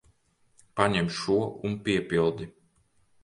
Paņem šo un piepildi.